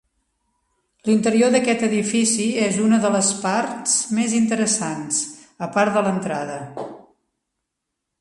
L'interior d'aquest edifici és una de les parts més interessants, a part de l'entrada.